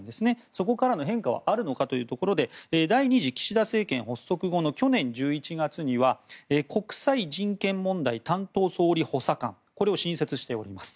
そこからの変化はあるのかというところで第２次岸田政権発足後の去年１１月には国際人権問題担当総理補佐官これを新設しています。